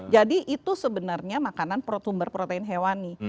jadi itu sebenarnya makanan sumber protein hewani